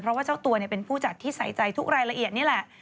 เพราะว่าเจ้าตัวเป็นผู้จัดที่ใส่ใจทุกรายละเอียดนี่แหละ